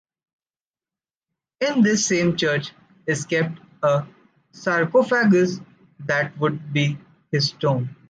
In this same church is kept a sarcophagus that would be his tomb.